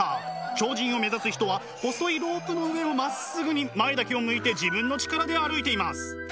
超人を目指す人は細いロープの上をまっすぐに前だけを向いて自分の力で歩いています。